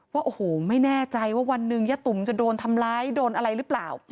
ว่าโอ้โหไม่แน่ใจว่าวันหนึ่งยะตุ๋มจะโดนทำร้ายโดนอะไรหรือเปล่า